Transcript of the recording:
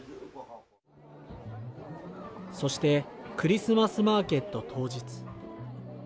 そしてクリスマスマーケット当日。